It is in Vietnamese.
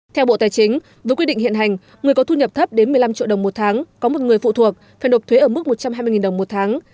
theo bộ tài chính với quy định hiện hành người có thu nhập thấp đến một mươi năm triệu đồng một tháng có một người phụ thuộc phải nộp thuế ở mức một trăm hai mươi đồng một tháng